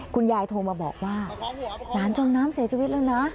คุณยายโทรมาบอกว่าหลานจมน้ำเสียชีวิตแล้วนะ